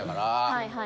はいはい。